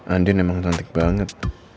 andien emang cantik banget